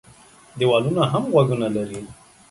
ديوالونه هم غوږونه لري.